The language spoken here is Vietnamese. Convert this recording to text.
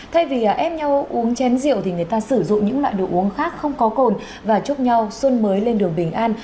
thay vì ép nhau uống chén rượu thì người ta sử dụng những loại đồ uống khác không có cồn và chúc nhau xuân mới lên đường bình an